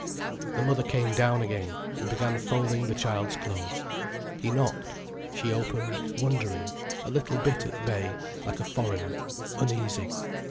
The mother came down again, and began folding the child's clothes. He knocked. She opened wondering, a little bit at bay, like a foreigner, uneasy.